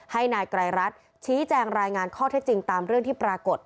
ให้นายไกรรัฐชี้แจงรายงานข้อเท็จจริงตามเรื่องที่ปรากฏ